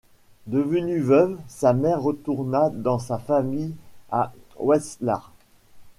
Devenue veuve, sa mère retourna dans sa famille à Wetzlar.